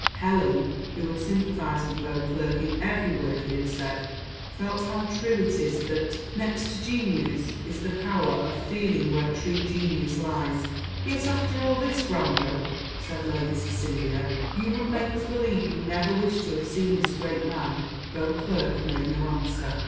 Helen, who had sympathised with Beauclerc in every word he had said, felt how true it is that " Next to genius, is the power Of feeling where true genius lies." "Yet after all this, Granville," said Lady Cecilia, "you would make us believe you never wished to have seen this great man?" Beauclerc made no answer.